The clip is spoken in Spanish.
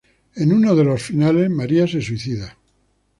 En uno de los finales, María se suicida.